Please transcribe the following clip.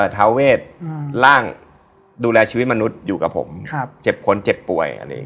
ทาเวทร่างดูแลชีวิตมนุษย์อยู่กับผมเจ็บคนเจ็บป่วย